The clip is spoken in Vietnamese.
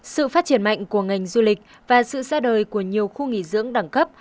sự phát triển mạnh của ngành du lịch và sự ra đời của nhiều khu nghỉ dưỡng đẳng cấp